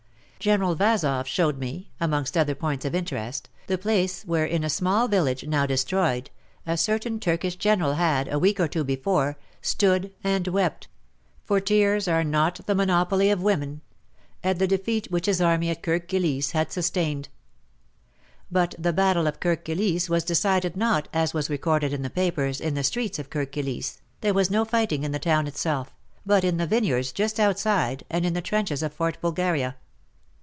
General Vazoff showed me, amongst other points of interest, the place where in a small village, now destroyed, a certain Turkish General had, a week or two before, stood and wept — for tears are not the monopoly of women — at the defeat which his army at Kirk Kilisse had sustained. But the battle of Kirk Kilisse was decided not, as was recorded in the papers, in the streets of Kirk Kilisse, there was no fighting in the town itself, but in the vineyards just outside, and in the trenches of Fort Bulgaria.